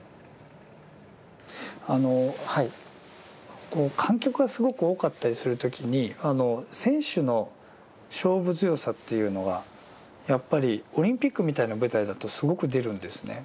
あの観客がすごく多かったりする時に選手の勝負強さというのがやっぱりオリンピックみたいな舞台だとすごく出るんですね。